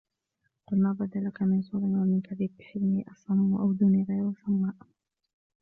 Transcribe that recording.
قُلْ مَا بَدَا لَك مِنْ زُورٍ وَمِنْ كَذِبِ حِلْمِي أَصَمُّ وَأُذْنِي غَيْرُ صَمَّاءِ